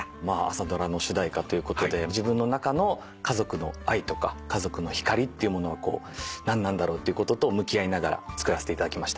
朝ドラの主題歌ということで自分の中の家族の愛とか家族の光っていうものは何なんだろうっていうことと向き合いながら作らせていただきました。